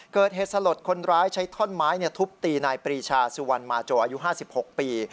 เกิดเหตุสลดคนร้ายใช้ท่อนไม้ทุบตีนายปรีชาสุวรรณมาโจอายุ๕๖ปี